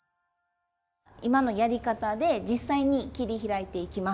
今のやり方で実際に切り開いていきます。